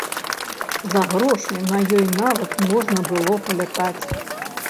За грошы на ёй нават можна было палятаць.